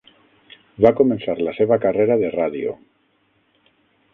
Va començar la seva carrera de ràdio.